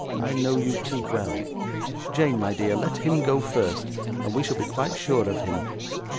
I know you too well. Jane, my dear, let him go first, and we shall be quite sure of him.